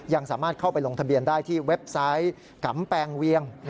ยังสามารถเข้าไปลงทะเบียนได้ที่เว็บไซต์กำแปลงเวียง